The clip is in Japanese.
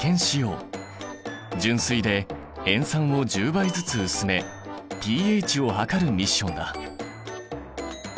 純水で塩酸を１０倍ずつ薄めｐＨを測るミッションだ。